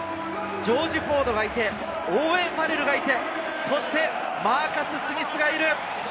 ジョージ・フォードがいて、オーウェン・ファレルがいて、そして、マーカス・スミスがいる！